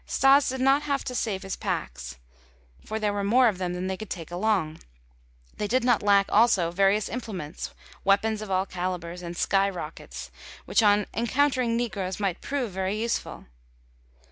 Stas did not have to save his packs for there were more of them than they could take along; they did not lack also various implements, weapons of all calibers, and sky rockets, which on encountering negroes might prove very useful.